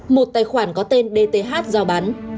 một tài khoản có tên dth giao bán